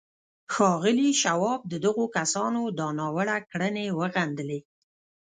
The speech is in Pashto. ښاغلي شواب د دغو کسانو دا ناوړه کړنې وغندلې